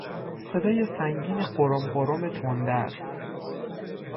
صدای سنگین غرم غرم تندر